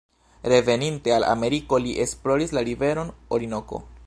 Reveninte al Ameriko li esploris la riveron Orinoko.